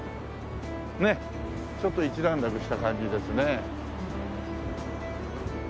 ねえちょっと一段落した感じですね。